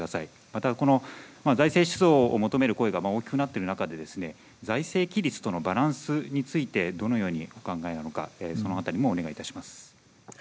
また、財政出動を求める声が大きくなっている中で財政規律とのバランスについてどのようにお考えなのかそのあたりもお願いいたします。